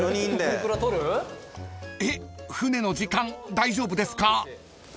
［えっ船の時間大丈夫ですか？］